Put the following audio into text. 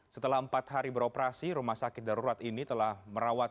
setelah empat hari beroperasi rumah sakit darurat ini telah merawat